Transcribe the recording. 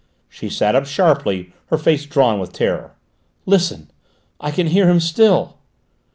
She sat up sharply, her face drawn with terror. "Listen: I can hear him still!"